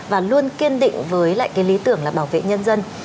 và luôn kiên định với lại cái lý tưởng là bảo vệ nhân dân